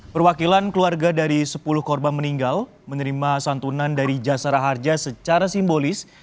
perwakilan keluarga dari sepuluh korban meninggal menerima santunan dari jasara harja secara simbolis